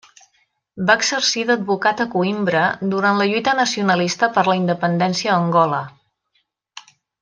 Va exercir d'advocat a Coïmbra durant la lluita nacionalista per la independència a Angola.